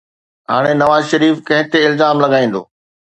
هاڻي نواز شريف ڪنهن تي الزام لڳائيندو؟